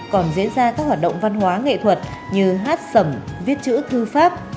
còn diễn ra các hoạt động văn hóa nghệ thuật như hát sầm viết chữ thư pháp